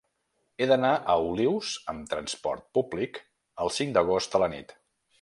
He d'anar a Olius amb trasport públic el cinc d'agost a la nit.